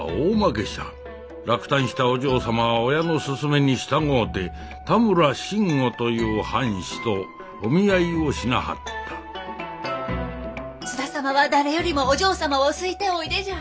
落胆したお嬢様は親の勧めに従うて多村慎吾という藩士とお見合いをしなはった津田様は誰よりもお嬢様を好いておいでじゃ。